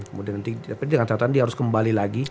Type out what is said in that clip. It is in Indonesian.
kemudian nanti tapi dengan kesehatan dia harus kembali lagi